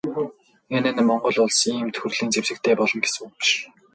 Энэ нь Монгол Улс ийм төрлийн зэвсэгтэй болно гэсэн үг биш.